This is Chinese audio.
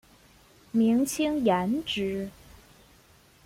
明清延之。